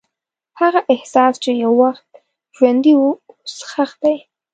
هغه احساس چې یو وخت ژوندی و، اوس ښخ دی.